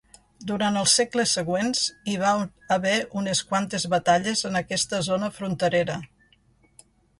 Durant els segles següents hi va haver unes quantes batalles en aquesta zona fronterera.